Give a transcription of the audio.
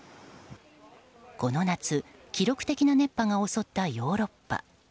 この夏、記録的な熱波が襲ったヨーロッパ。